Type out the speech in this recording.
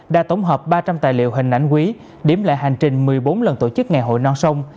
đã tổng hợp ba trăm linh tài liệu hình ảnh quý điểm lại hành trình một mươi bốn lần tổ chức ngày hội non sông